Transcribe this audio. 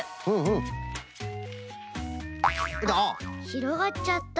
ひろがっちゃった。